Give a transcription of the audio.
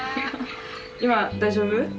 今大丈夫？